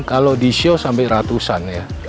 kalau di show sampai ratusan ya